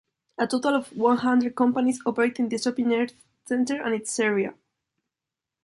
A total of one hundred companies operate in the shopping center and its area.